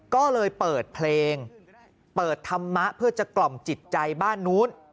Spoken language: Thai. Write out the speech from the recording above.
ก็เลยเปิดเพลงเปิดธรรมะเพื่อจะกล่อมจิตใจบ้านนู้น